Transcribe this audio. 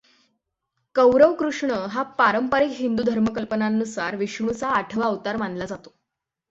कौरव कृष्ण हा पारंपरिक हिंदू धर्मकल्पनांनुसार विष्णूचा आठवा अवतार मानला जातो.